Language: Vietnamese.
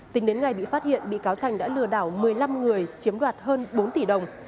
tính đến ngày bị phát hiện bị cáo thành đã lừa đảo một mươi năm người chiếm đoạt hơn bốn tỷ đồng